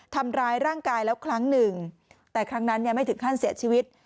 ทำร้ายร่างกายแล้วครั้งหนึ่งแต่ครั้งนั้นเนี่ยไม่ถึงขั้นเสียชีวิต